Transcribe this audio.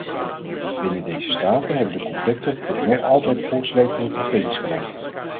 Binnen deze staten hebben de conflicten tot nog altijd voortslepende tragedies geleid.